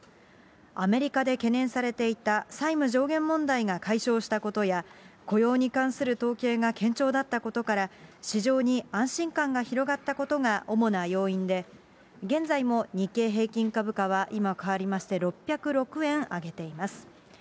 アメリカで懸念されていた債務上限問題が解消したことや、雇用に関する統計が堅調だったことから、市場に安心感が広がったことが主な要因で、現在も日経平均株価は、今変わりまして、６０６円上げています。